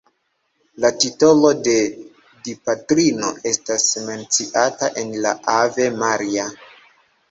La titolo de Dipatrino estas menciata en la Ave Maria.